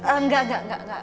enggak enggak enggak